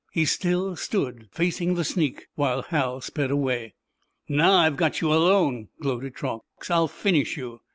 He still stood facing the sneak while Hal sped away. "Now, I've got you alone!" gloated Truax. "I'll finish you!"